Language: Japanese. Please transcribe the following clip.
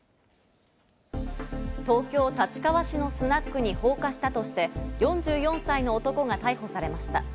東京・立川市のスナックに放火したとして４４歳の男が逮捕されました。